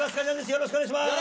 よろしくお願いします！